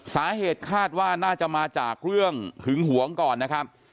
สาเหตุคาดว่าน่าจะมาจากเรื่องหึงหวงก่อนนะครับ